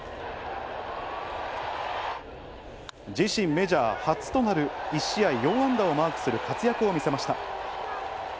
自身メジャー初となる、１試合４安打をマークする活躍を見せました。